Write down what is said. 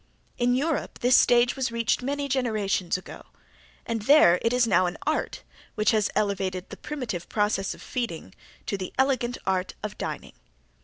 In Europe this stage was reached many generations ago, and there it is now an art which has elevated the primitive process of feeding to the elegant art of dining.